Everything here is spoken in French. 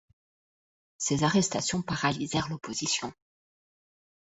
Ces arrestations paralysèrent l'opposition.